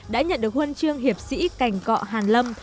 đã nhận được huần trường hiệp sĩ cành cọ hàn lâm